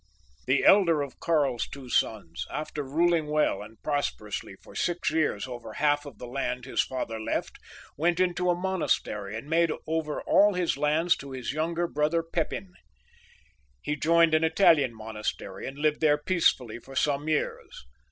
The elder of Karl's two sons, after ruling well and prosperously for six years over half of the land his father left, went into a monastery and made over all his lands to his younger brother Pepin. He joined an Italian monas tery, and lived there peacefully for some years.